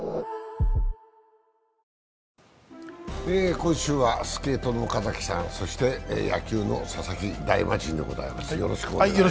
今週はスケートの岡崎さん、そして野球の佐々木大魔神でございます。